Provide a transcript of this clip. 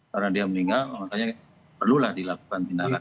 karena dia meninggal makanya perlulah dilakukan tindakan